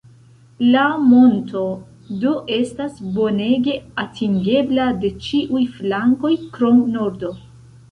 La monto do estas bonege atingebla de ĉiuj flankoj krom nordo.